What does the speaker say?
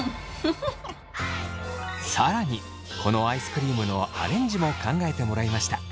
更にこのアイスクリームのアレンジも考えてもらいました。